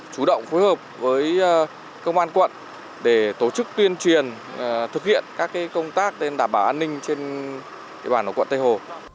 chủ động phối hợp với công an quận để tổ chức tuyên truyền thực hiện các công tác đảm bảo an ninh trên địa bàn ở quận tây hồ